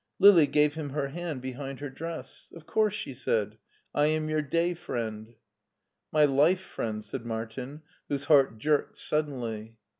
Lili gave him her hand behind her dress. "Of course," she said ;" I am your day friend." " My life friend," said Martin, whose heart jerked suddenly.